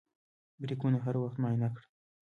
بریکونه هر وخت معاینه کړه.